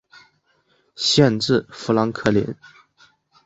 县治富兰克林。